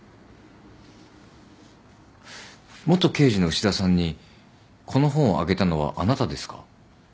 元刑事の牛田さんにこの本をあげたのはあなたですか？